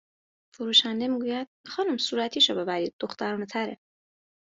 فروشنده میگوید: خانم صورتیشو ببرید دخترونهتره